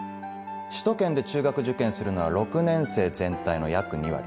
首都圏で中学受験するのは６年生全体の約２割。